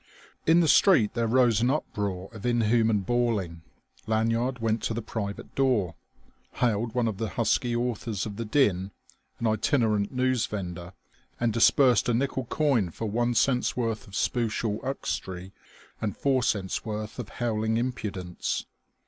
In the street there rose an uproar of inhuman bawling. Lanyard went to the private door, hailed one of the husky authors of the din, an itinerant news vendor, and disbursed a nickel coin for one cent's worth of spushul uxtry and four cents' worth of howling impudence.